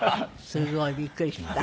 すごい。びっくりした。